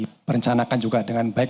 diperencanakan juga dengan baik